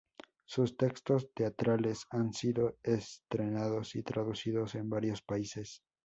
Sus textos teatrales han sido estrenados y traducidos en varios países.